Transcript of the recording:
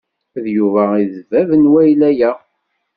D Yuba ay d bab n wayla-a.